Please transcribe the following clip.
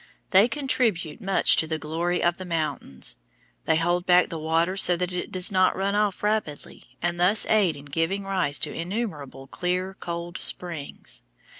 They contribute much to the glory of the mountains. They hold back the water so that it does not run off rapidly, and thus aid in giving rise to innumerable clear, cold springs.